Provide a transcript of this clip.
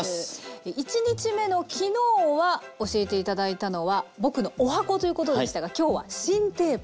１日目の昨日は教えて頂いたのは「ぼくの十八番」ということでしたが今日は「新定番」。